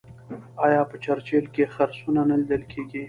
آیا په چرچیل کې خرسونه نه لیدل کیږي؟